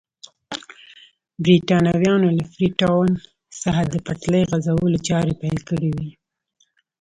برېټانویانو له فري ټاون څخه د پټلۍ غځولو چارې پیل کړې وې.